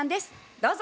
どうぞ。